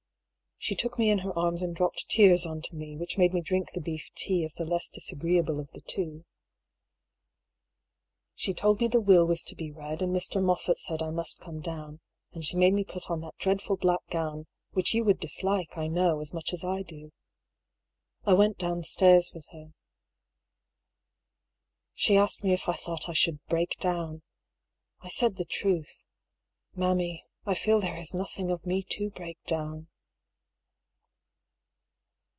She took me in her arms and dropped tears on to me, which made me drink the beef tea, as the less disagreeable of the two. She told me the will was to be read, and Mr. Moffatt said I must come down ; and she made me put on that dreads ful black gown, which you would dislike, I know, as much as I do. I went downstairs with her. She asked me if I thought I should " break down." I said the truth :" Mammy, I feel there is nothing of me to break down."